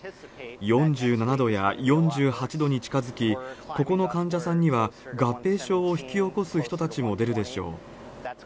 ４７度や４８度に近づき、ここの患者さんには、合併症を引き起こす人たちも出るでしょう。